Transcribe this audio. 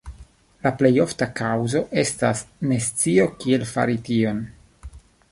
La plej ofta kaŭzo estas nescio, kiel fari tion.